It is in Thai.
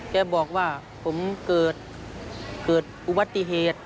แกบอกว่าผมเกิดอุบัติเหตุ